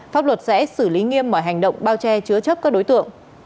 pháp luật sẽ xử lý nghiêm mọi hành động bao che chứa chấp các đối tượng